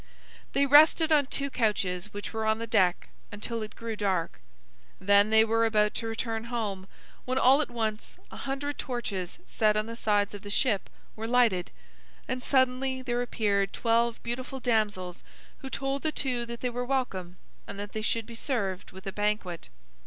They rested on two couches which were on the deck, until it grew dark. Then they were about to return home, when all at once, a hundred torches, set on the sides of the ship were lighted, and suddenly there appeared twelve beautiful damsels who told the two that they were welcome, and that they should be served with a banquet.